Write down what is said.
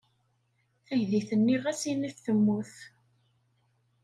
Taydit-nni ɣas init temmut.